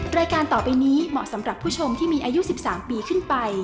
รายการต่อไปนี้เหมาะสำหรับผู้ชมที่มีอายุ๑๓ปีขึ้นไป